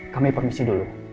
kami permisi dulu